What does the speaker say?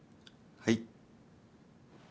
はい。